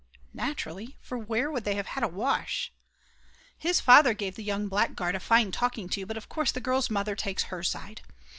(Naturally, for where could they have had a wash.) His father gave the young blackguard a fine talking to, but of course the girl's mother takes her side.